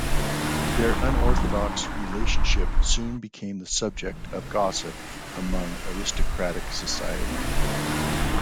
Their unorthodox relationship soon became the subject of gossip among aristocratic society.